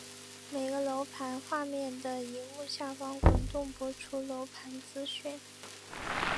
每个楼盘画面的萤幕下方滚动播出楼盘资讯。